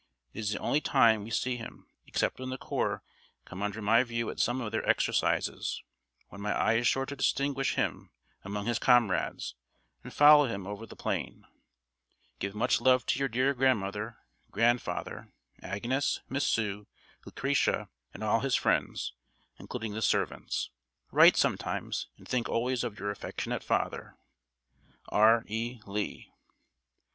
It is the only time we see him, except when the Corps come under my view at some of their exercises, when my eye is sure to distinguish him among his comrades and follow him over the plain. Give much love to your dear grandmother, grandfather, Agnes, Miss Sue, Lucretia, and all friends, including the servants. Write sometimes, and think always of your "Affectionate father, "R. E. LEE."